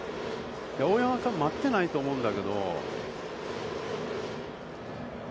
大山、待ってないと思うんだけど。